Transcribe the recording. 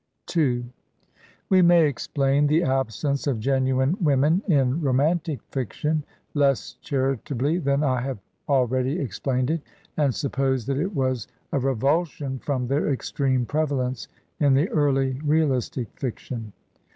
n We may explain the absence of genuine women in ro mantic fiction less charitably than I have already ex plained it, and suppose that it was a revulsion from their extreme prevalence in the early realistic fiction.